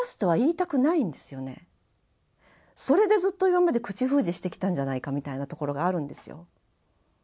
それでずっと今まで口封じしてきたんじゃないかみたいなところがあるんですよ。